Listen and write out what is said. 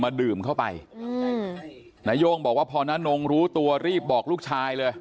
ดื่มเข้าไปนาย่งบอกว่าพอนานงรู้ตัวรีบบอกลูกชายเลย